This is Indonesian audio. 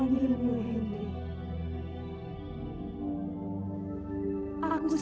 setelah siap memiliki